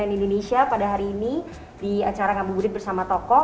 dan indonesia pada hari ini di acara ngabuburit bersama toko